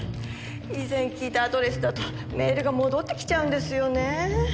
以前聞いたアドレスだとメールが戻ってきちゃうんですよねえ。